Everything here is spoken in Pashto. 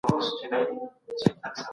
که ښځې زده کړه وکړي، کورنۍ پیاوړې کېږي.